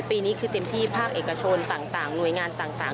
ปีนี้คือเต็มที่ภาคเอกชนต่างหน่วยงานต่าง